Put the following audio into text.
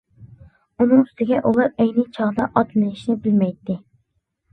ئۇنىڭ ئۈستىگە ئۇلار ئەينى چاغدا ئات مىنىشنى بىلمەيتتى.